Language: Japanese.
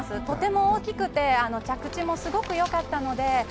とても大きくて着地もすごく良かったので。